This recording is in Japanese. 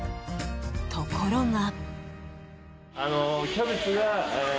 ところが。